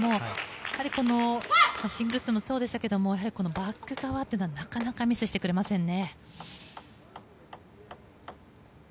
やはり、シングルスでもそうでしたけどバック側というのはなかなかミスしてくれませんね。